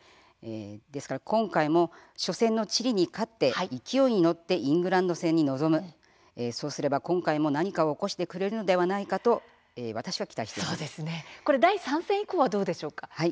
今回も初戦のチリに勝って勢いに乗ってイングランド戦に臨むそうすれば今回も何かを起こしてくれるのではないかと第３戦以降どうでしょうか。